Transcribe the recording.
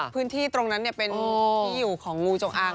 พื้นที่ตรงนั้นเป็นที่อยู่ของงูจงอาง